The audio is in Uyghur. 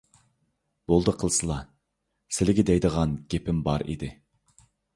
بولدى قىلسىلا، سىلىگە دەيدىغان گېپىم بار ئىدى.